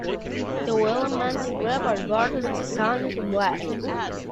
The Willimantic River borders the town on the west.